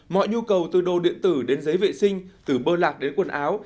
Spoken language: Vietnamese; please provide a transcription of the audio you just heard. mọi nhu cầu từ đồ điện tử đến giấy vệ sinh từ bơ lạc đến quần áo